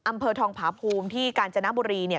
อำเภอทองพาภูมิที่กาญจนบุรี